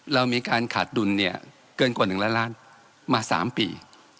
เรามีการขาดดุลเนี่ยเกินกว่าหนึ่งล้านล้านมาสามปี